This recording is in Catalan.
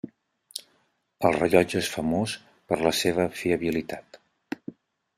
El rellotge és famós per la seva fiabilitat.